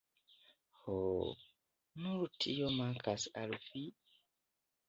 Ho, nur tio mankas al vi!